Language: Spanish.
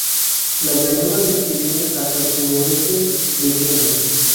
La llanura se extiende hasta el suroeste de Kenia.